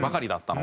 「の」。